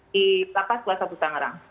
di lapas kelas satu tangerang